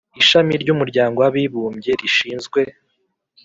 ishami ry'umuryango w'abibumbye rishinzwe